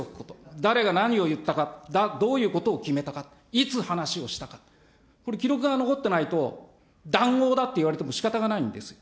誰が何を言ったか、どういうことを決めたか、いつ話をしたか、これ、記録が残ってないと、談合だって言われてもしかたがないんですよ。